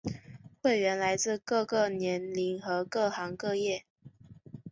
会员来自各个年龄和各行各业。